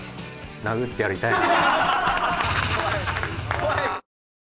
殴ってやりたいなと。